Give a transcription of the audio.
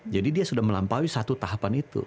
jadi dia sudah melampaui satu tahapan itu